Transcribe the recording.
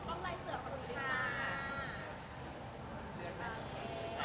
ขอมองกล้องลายเสือบขนาดนี้นะคะ